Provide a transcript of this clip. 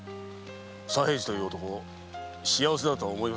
左平次という男幸せだとは思いませんか？